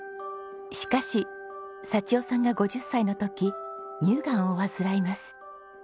しかし幸代さんが５０歳の時乳がんを患います。